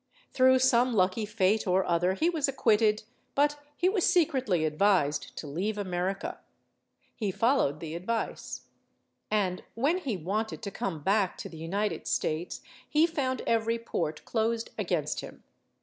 Through some lucky fate or other, he was acquitted, but he was secretly advised to leave America. He followed the advice. And when he wanted to come back to the United States, he found every port closed against him.